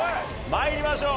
参りましょう。